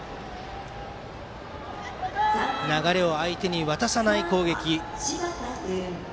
流れを相手に渡さない攻撃。